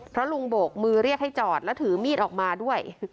เพราะลุงโบกมือเรียกให้จอดแล้วถือมีดออกมาด้วย